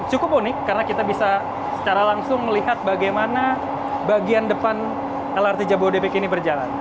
cukup unik karena kita bisa secara langsung melihat bagaimana bagian depan lrt jabodebek ini berjalan